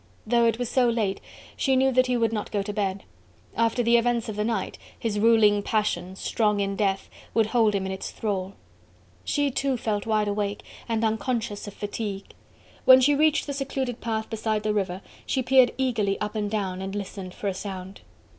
Though it was so late, she knew that he would not go to bed. After the events of the night, his ruling passion, strong in death, would be holding him in its thrall. She too felt wide awake and unconscious of fatigue; when she reached the secluded path beside the river, she peered eagerly up and down, and listened for a sound.